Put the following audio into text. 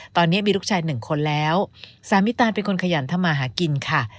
ตอนนี้มีลูกชายหนึ่งคนแล้วสามีตานเป็นคนขยันทำมาหากินค่ะ